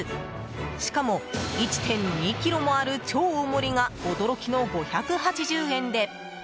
しかも１．２ｋｇもある超大盛りが驚きの５８０円で。